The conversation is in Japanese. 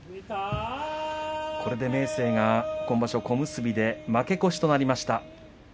これで明生が今場所、小結で負け越しとなりました。